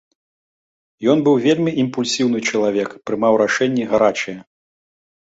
Ён быў вельмі імпульсіўны чалавек, прымаў рашэнні гарачыя.